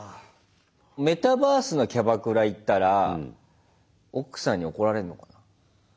メタバースのキャバクラ行ったら奥さんに怒られんのかな？